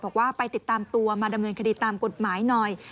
บอกว่าไปติดตามตัวมาดำเนินคดีตามกฎหมายหน่อย